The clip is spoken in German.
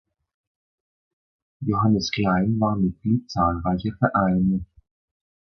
Johannes Klein war Mitglied zahlreicher Vereine.